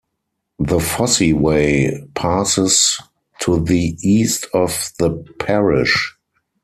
The Fosse Way passes to the east of the parish.